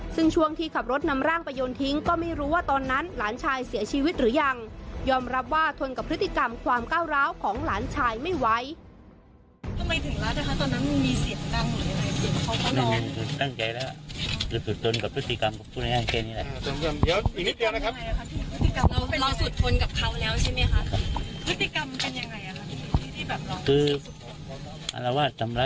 ซึ่งช่วงที่ขับรถนำร่างไปโยนทิ้งก็ไม่รู้ว่าตอนนั้นหลานชายเสียชีวิตหรือยังยอมรับว่าทนกับพฤติกรรมความก้าวร้าวของหลานชายไม่ไหว